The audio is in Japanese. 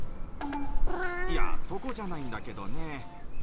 いや、そこじゃないんだけどね。